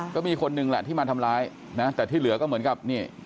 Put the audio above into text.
ก็มีคนหนึ่งแหละที่มาทำร้ายนะแต่ที่เหลือก็เหมือนกับนี่